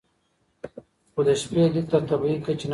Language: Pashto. خو د شپې لید تر طبیعي کچې نه لوړوي.